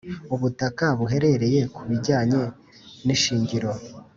Ubutaka buherereye ku bijyanye n ishingiro